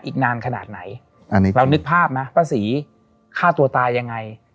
อีกนานขนาดไหนอันนี้เรานึกภาพนะป้าศรีฆ่าตัวตายยังไง